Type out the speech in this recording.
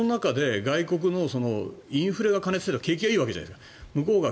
その中で外国のインフレが過熱してるって景気がいいわけじゃないですか。